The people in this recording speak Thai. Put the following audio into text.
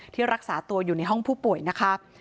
รักษาตัวอยู่ในห้องผู้ป่วยนะคะ